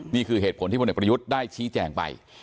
นี่คือเหตุผลที่พศได้ชี้แจงไป